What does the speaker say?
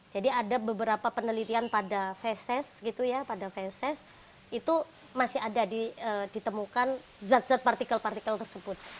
jadi ada beberapa penelitian pada fesis gitu ya pada fesis itu masih ada ditemukan zat zat partikel partikel tersebut